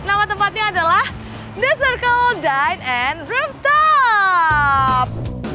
nama tempatnya adalah the circle dine rooftop